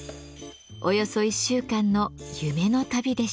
およそ１週間の夢の旅でした。